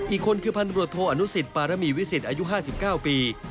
อีกคนคือพันตรวจโทอนุสิตปารมีวิสิตอายุ๕๙ปี